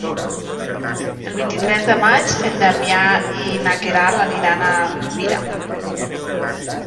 El vint-i-tres de maig en Damià i na Queralt aniran a Pira.